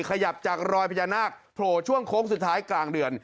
ขยับจากรอยพญานาคโผล่ช่วงโค้งสุดท้ายกลางเดือน